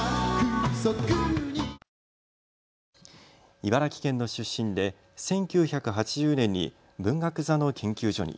茨城県の出身で１９８０年に文学座の研究所に。